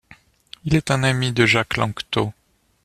Il est un ami de Jacques Lanctôt.